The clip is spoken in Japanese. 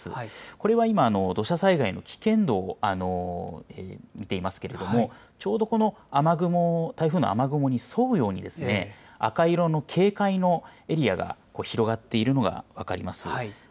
これは今、土砂災害の危険度を見ていますけれども、ちょうどこの雨雲、台風の雨雲に沿うように赤色の警戒のエリアが広がっているのが分かります。